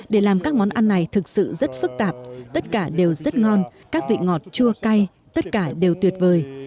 để làm các món ăn này thực sự rất phức tạp tất cả đều rất ngon các vị ngọt chua cay tất cả đều tuyệt vời